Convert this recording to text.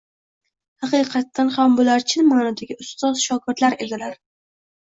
– Xaqiqatdan ham bular chin ma’nodagi ustoz-shogirdlar edilar.